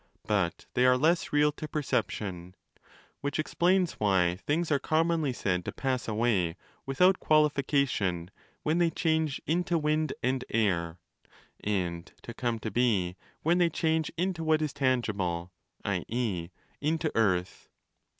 But they are less real to perception—which explains why things are commonly said to ' pass away' without qualifica 30 tion when they change into Wind and Air, and to ' come to be'? when they change into what is tangible, i.e. into Earth.